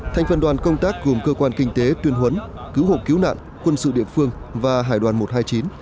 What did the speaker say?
thành phần đoàn công tác gồm cơ quan kinh tế tuyên huấn cứu hộ cứu nạn quân sự địa phương và hải đoàn một trăm hai mươi chín